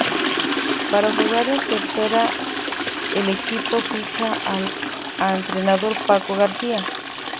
Para jugar en Tercera el equipo ficha al entrenador Paco García.